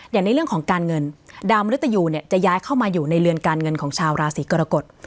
อย่างในเรื่องของการเงินดาวมริตยูเนี่ยจะย้ายเข้ามาอยู่ในเรือนการเงินของชาวราศีกรกฎ